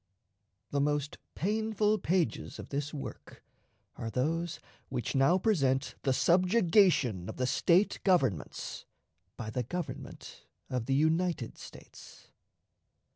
The most painful pages of this work are those which now present the subjugation of the State governments by the Government of the United States.